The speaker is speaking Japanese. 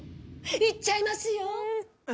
いっちゃいますよ？